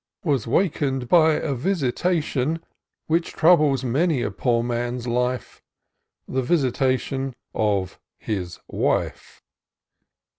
Was waken'd by a visitation Which troubles many a poor man's life — The visitation of his wife.